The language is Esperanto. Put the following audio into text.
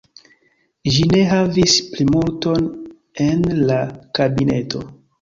Ĝi ne havis plimulton en la kabineto.